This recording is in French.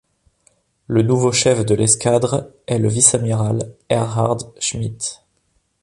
Le nouveau chef de l'escadre est le vice-amiral Erhard Schmidt.